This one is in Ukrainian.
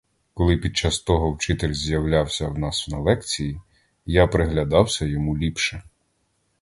Коли під час того вчитель з'являвся в нас на лекції, я приглядався йому ліпше.